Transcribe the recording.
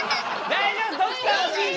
大丈夫！